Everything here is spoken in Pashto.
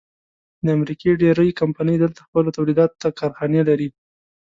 د امریکې ډېرۍ کمپنۍ دلته خپلو تولیداتو ته کارخانې لري.